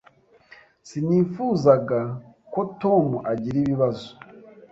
Sinifuzaga ko Tom agira ibibazo.